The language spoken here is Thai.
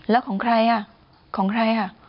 แล้วของใครอ่ะ